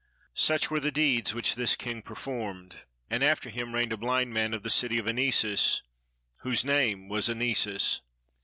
Such were the deeds which this king performed: and after him reigned a blind man of the city of Anysis, whose name was Anysis.